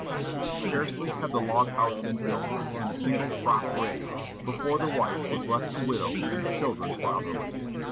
Scarcely had the log house been built, and a single crop raised, before the wife was left a widow and the children fatherless.